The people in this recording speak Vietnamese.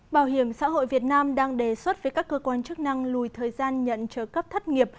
bảo hiểm xã hội việt nam đang đề xuất với các cơ quan chức năng lùi thời gian nhận trợ cấp thất nghiệp